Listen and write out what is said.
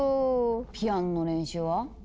ピアノの練習は？